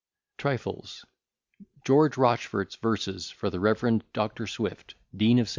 _] TRIFLES GEORGE ROCHFORT'S VERSES FOR THE REV. DR. SWIFT, DEAN OF ST.